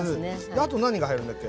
あと何が入るんだっけ？